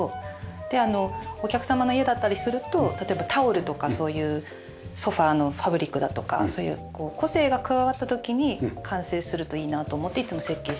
でお客様の家だったりすると例えばタオルとかそういうソファのファブリックだとかそういう個性が加わった時に完成するといいなと思っていつも設計しているので。